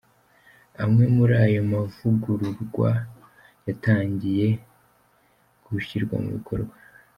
Amwe muri ayo mavugurwa yatangiye gushyirwa mu bikorwa.